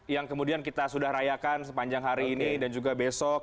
yang kemudian kita sudah rayakan sepanjang hari ini dan juga besok